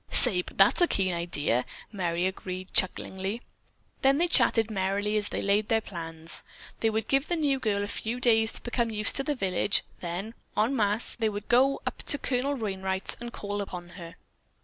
"Say, but that's a keen idea!" Merry agreed chucklingly. Then they chattered merrily as they laid their plans. They would give the new girl a few days to become used to the village, then, en masse, they would go up to Colonel Wainright's and call upon her.